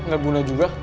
gak guna juga